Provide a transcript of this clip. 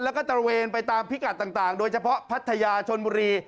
แล้วก็ตระเวนไปตามพิกัดต่างโดยเฉพาะพัทยาชนบุรี